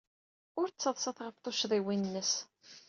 Ur ttaḍsat ɣef tuccḍiwin-nnes.